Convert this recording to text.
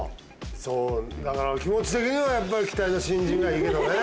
気持ち的にはやっぱり期待の新人がいいけどね。